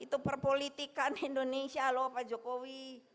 itu perpolitikan indonesia lho pak jokowi